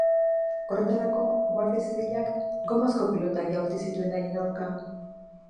Horretarako, Guardia Zibilak gomazko pilotak jaurti zituen haien aurka.